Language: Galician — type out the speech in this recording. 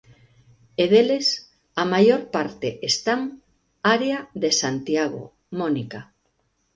E deles, a maior parte están área de Santiago, Mónica.